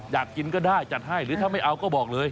อยากกินก็ได้จัดให้หรือถ้าไม่เอาก็บอกเลย